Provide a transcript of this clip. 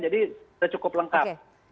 jadi sudah cukup lengkap